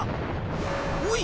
おい！